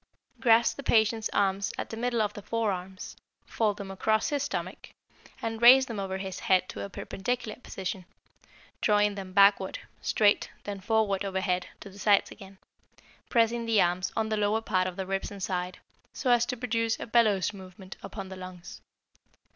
Grasp the patient's arms at the middle of the forearms, fold them across his stomach, and raise them over his head to a perpendicular position, drawing them backward, straight, then forward overhead to the sides again, pressing the arms on the lower part of the ribs and side, so as to produce a bellows movement upon the lungs.